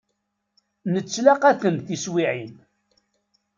Nettlaqa-ten tiswiεin.